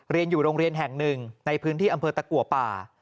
เรียนอยู่โรงเรียนแห่งหนึ่งในพื้นที่อำเภอตะกัวป่า